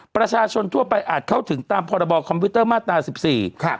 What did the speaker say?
ประชาชนทั่วไปอาจเข้าถึงตามพบคอมพิวเตอร์มาตรา๑๔